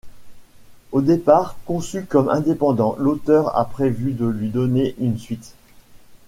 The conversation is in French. Au départ conçu comme indépendant, l’auteur a prévu de lui donner une suite.